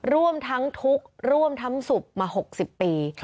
ร่วมทั้งทุกข์ร่วมทั้งสุขมา๖๐ปี